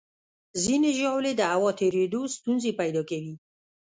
ځینې ژاولې د هوا تېرېدو ستونزې پیدا کوي.